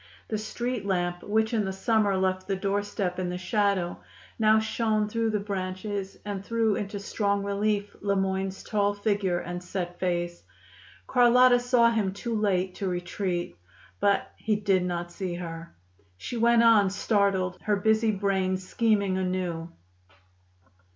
The street lamp, which in the summer left the doorstep in the shadow, now shone through the branches and threw into strong relief Le Moyne's tall figure and set face. Carlotta saw him too late to retreat. But he did not see her. She went on, startled, her busy brain scheming anew.